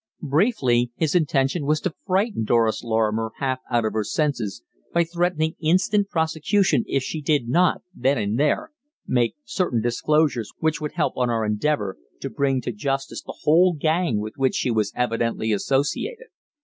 Briefly, his intention was to frighten Doris Lorrimer half out of her senses by threatening instant prosecution if she did not, then and there, make certain disclosures which would help on our endeavour to bring to justice the whole gang with which she was evidently associated.